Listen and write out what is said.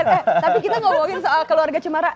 tapi kita ngobrolin soal keluarga cumara